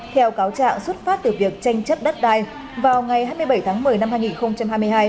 theo cáo trạng xuất phát từ việc tranh chấp đất đai vào ngày hai mươi bảy tháng một mươi năm hai nghìn hai mươi hai